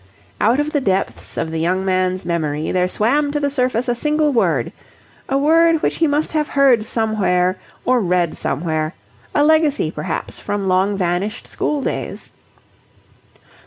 Out of the depths of the young man's memory there swam to the surface a single word a word which he must have heard somewhere or read somewhere: a legacy, perhaps, from long vanished school days.